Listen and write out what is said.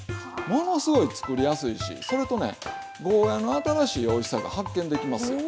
ものすごい作りやすいしそれとねゴーヤーの新しいおいしさが発見できます。